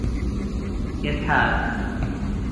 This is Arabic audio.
إذا ما مدحت أبا صالح فأعدد له الشتم